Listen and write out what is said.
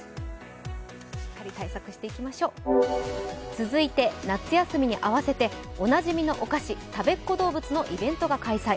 続いて、夏休みに合わせておなじみのお菓子、たべっ子どうぶつのイベントが開催。